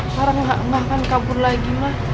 clara gak akan kabur lagi ma